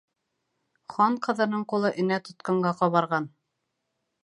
Хан ҡыҙының ҡулы энә тотҡанға ҡабарған.